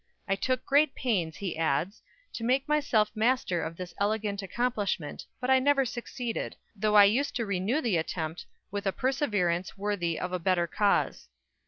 "I took great pains," he adds, "to make myself master of this elegant accomplishment, but I never succeeded, though I used to renew the attempt with a perseverance worthy of a better cause."